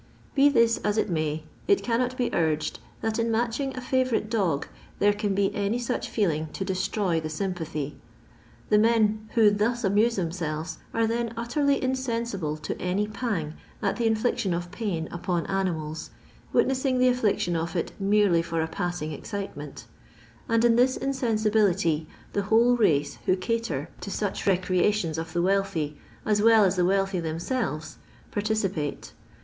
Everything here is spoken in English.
Be this as it may, it cannot be urged that in matching a favourite dog there can be any such feeling to destroy the sympathy. The men who thus amuse themselves are then utterly insensible to any pang at the infliction of pain upon animals, witnessing the infliction of it merely for a passing excitement : and in this insensibility the whole race who cater to such recreations of the wealthy, af well as the wealtby themselves, participate.